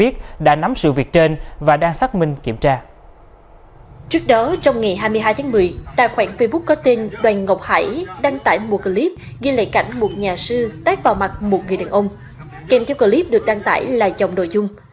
tác vào mặt một người đàn ông kèm theo clip được đăng tải là chồng đồ dung